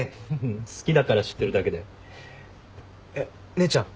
姉ちゃん。